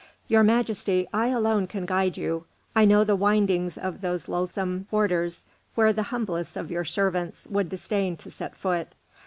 "Your Majesty, I alone can guide you. I know the windings of those loathsome quarters, where the humblest of your servants would disdain to set foot.